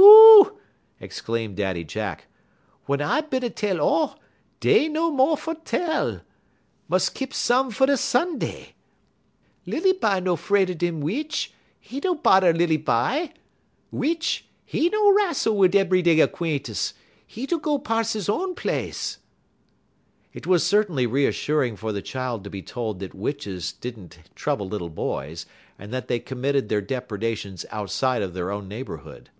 "Hoo!" exclaimed Daddy Jack, "wun I is bin a tell all, dey no mo' fer tell. Mus' kip some fer da' Sunday. Lilly b'y no fred dem witch; 'e no bodder lilly b'y. Witch, 'e no rassel wit' 'e ebry day 'quaintan'; 'e do go pars 'e own place." It was certainly reassuring for the child to be told that witches did n't trouble little boys, and that they committed their depredations outside of their own neighborhood.